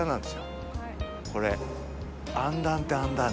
これ。